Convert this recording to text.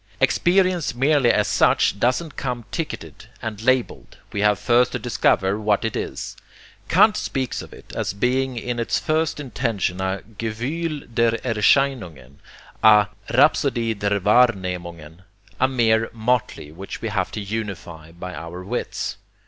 Experience merely as such doesn't come ticketed and labeled, we have first to discover what it is. Kant speaks of it as being in its first intention a gewuehl der erscheinungen, a rhapsodie der wahrnehmungen, a mere motley which we have to unify by our wits.